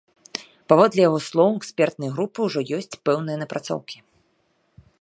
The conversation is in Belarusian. Паводле яго слоў, у экспертнай групы ўжо ёсць пэўныя напрацоўкі.